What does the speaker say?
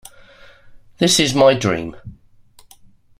This is my dream.